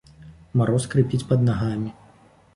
Мароз скрыпіць пад нагамі.